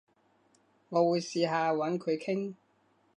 我會試下搵佢傾